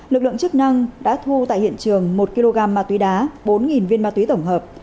lực lượng chức năng đã thu tại hiện trường một kg ma túy đá bốn viên ma túy tổng hợp